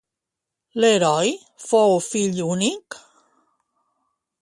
L'heroi fou fill únic?